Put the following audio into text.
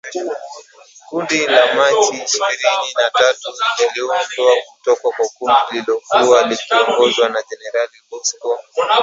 Kundi la Machi ishirini na tatu liliundwa kutoka kwa kundi lililokuwa likiongozwa na Jenerali Bosco Ntaganda